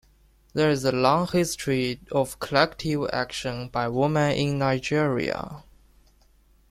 There is a long history of collective action by women in Nigeria.